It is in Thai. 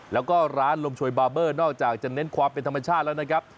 แล้วก็ร้านลมโชยบาร์เบอร์นอกจากจะเน้นความเป็นธรรมชาติแล้วนะครับ